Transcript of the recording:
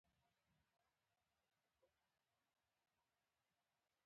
انساني دنيا کې بنده له ښکېلېدا پرته لنډوي.